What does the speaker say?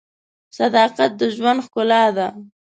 صداقت د ژوند ښکلا ده.